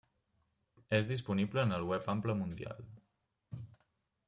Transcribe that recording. És disponible en el Web Ample Mundial.